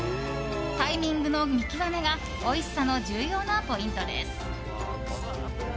タイミングの見極めがおいしさの重要なポイントです。